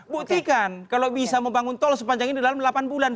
buktikan kalau bisa membangun tol sepanjang ini dalam delapan bulan